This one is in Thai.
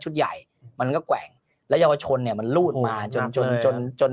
ชุดใหญ่มันก็แกว่งแล้วยาวชนเนี้ยมันลูดมาจนจนจน